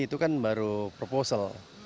itu kan baru proposal